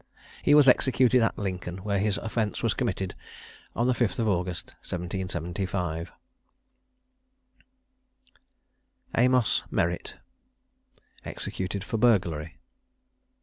He was executed at Lincoln, where his offence was committed, on the 5th of August, 1775. AMOS MERRITT. EXECUTED FOR BURGLARY.